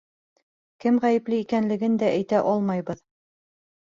Кем ғәйепле икәнлеген дә әйтә алмайбыҙ.